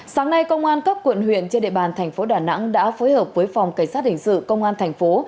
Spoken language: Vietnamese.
sáng nay công an các quận huyện trên địa bàn thành phố đà nẵng đã phối hợp với phòng cảnh sát hình sự công an thành phố